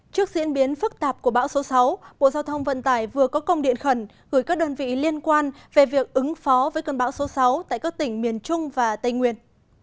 trước diễn biến phức tạp của bão số sáu bộ giao thông vận tải vừa có công điện khẩn gửi các đơn vị liên quan về việc ứng phó với cơn bão số sáu tại các tỉnh miền trung và tây nguyên